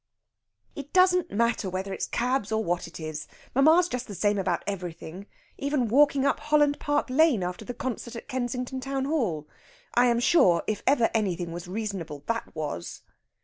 "It doesn't matter whether it's cabs or what it is. Mamma's just the same about everything. Even walking up Holland Park Lane after the concert at Kensington Town Hall. I am sure if ever anything was reasonable, that was."